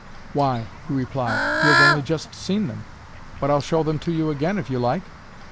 " Why,'* you reply, "you have only just seen them 5 but I'll show them to you again, if you like."